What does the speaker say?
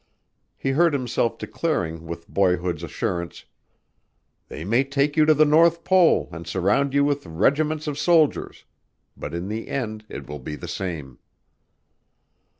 He heard himself declaring with boyhood's assurance, "They may take you to the North Pole and surround you with regiments of soldiers but in the end it will be the same."